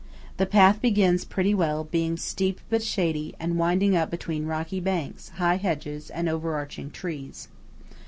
The path begins pretty well, being steep but shady, and winding up between rocky banks, high hedges and overarching trees.